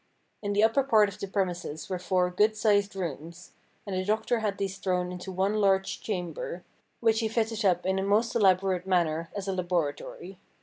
In the upper part of the premises were four good sized rooms, and the doctor had these thrown into one large chamber, which he fitted up in a most elaborate manner as a laboratory.